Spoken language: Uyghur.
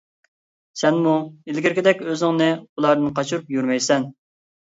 سەنمۇ ئىلگىرىكىدەك ئۆزۈڭنى ئۇلاردىن قاچۇرۇپ يۈرمەيسەن.